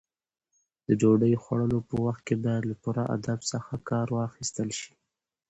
د ډوډۍ خوړلو په وخت کې باید له پوره ادب څخه کار واخیستل شي.